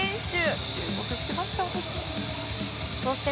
私、注目してました。